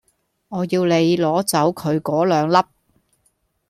我要你攞走佢果兩粒